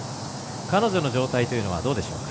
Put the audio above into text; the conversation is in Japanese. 彼女の状態はどうでしょうか。